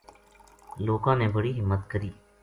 لوکاں نے بڑی ہمت کری